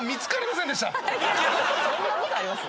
そんなことあります？